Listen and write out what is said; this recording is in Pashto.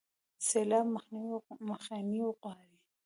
سیلاب مخنیوی غواړي